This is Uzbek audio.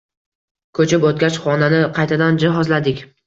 Ko’chib o'tgach, xonani qaytadan jihozladik.